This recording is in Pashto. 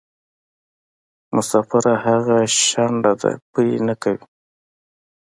مسافره هغه شڼډه ده پۍ نکوي.